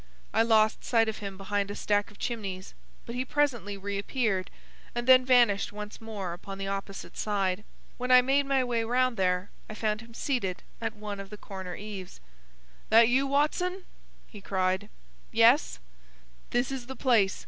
I lost sight of him behind a stack of chimneys, but he presently reappeared, and then vanished once more upon the opposite side. When I made my way round there I found him seated at one of the corner eaves. "That you, Watson?" he cried. "Yes." "This is the place.